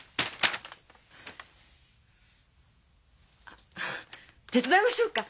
あっ手伝いましょうか？